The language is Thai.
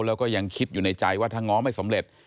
แล้วก็ยังคิดอยู่ในใจว่าถ้าง้อไม่สำเร็จ